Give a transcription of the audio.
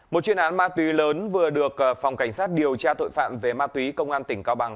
một chuyên án ma túy lớn vừa được phòng cảnh sát điều tra tội phạm về ma túy công an tỉnh cao bằng